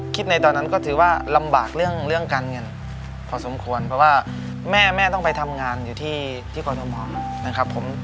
ในตอนนั้นก็ถือว่าลำบากเรื่องการเงินพอสมควรเพราะว่าแม่แม่ต้องไปทำงานอยู่ที่กรทมนะครับผม